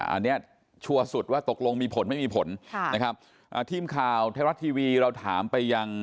อันนี้ชัวร์สุดว่าตกลงมีผลไม่มีผลทีมข่าวเทศรัทย์ทีวีเราถามไปยัง